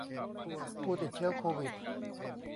ผู้ติดเชื้อโควิด